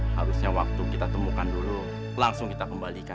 harusnya waktu kita temukan dulu langsung kita kembalikan